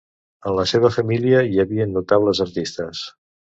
En la seva família hi havia notables artistes.